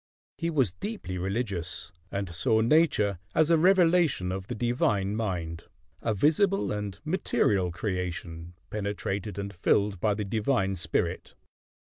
He was deeply religious, and saw Nature as a revelation of the divine mind; a visible and material creation, penetrated and filled by the divine spirit.